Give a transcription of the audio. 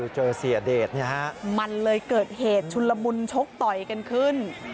เสียเดชมันเลยเกิดเหตุชุนละมุนชกต่อยกันขึ้น